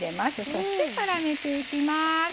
そしてさらにしていきます。